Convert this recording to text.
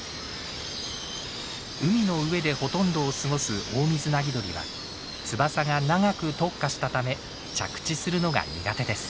海の上でほとんどを過ごすオオミズナギドリは翼が長く特化したため着地するのが苦手です。